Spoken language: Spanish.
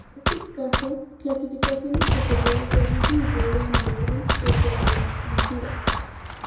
En este caso, clasificaciones posteriores lo hubiesen incluido en el orden Heterohelicida.